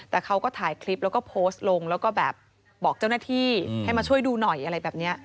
แต่เขาก็ถ่ายคลิปแล้วก็โพสต์ลงแล้วก็แบบบอกเจ้าหน้าที่ให้มาช่วยดูหน่อยอะไรแบบนี้